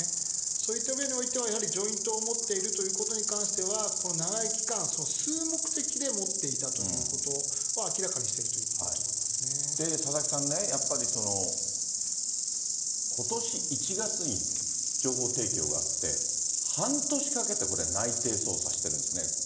そういった上においては、ジョイントを持っているということに関しては、長い期間、吸う目的で持っていたということを明らかにしているということだ佐々木さんね、やっぱりことし１月に情報提供があって、半年かけてこれ、内偵捜査してるんですね。